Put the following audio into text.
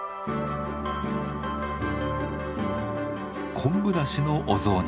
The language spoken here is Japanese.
昆布だしのお雑煮。